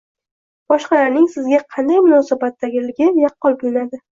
boshqalarning sizga qanday munosabatdaligi yaqqol bilinadi.